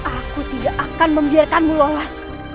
aku tidak akan membiarkanmu lolos